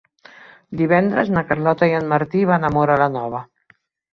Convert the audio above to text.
Divendres na Carlota i en Martí van a Móra la Nova.